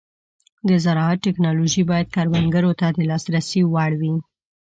د زراعت ټيکنالوژي باید کروندګرو ته د لاسرسي وړ وي.